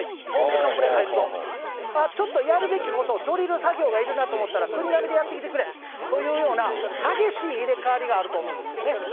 フォーメーションプレー入るぞ、ちょっとやるべきこと、ドリル作業がいるなと思ったら、国頭でやってきてくれというような、激しい入れ代わりがあると思うんですよね。